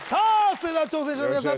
それでは挑戦者の皆さん